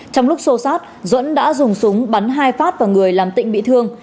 trong lúc xô sát duẫn đã dùng súng bắn hai phát vào người làm tịnh bị thương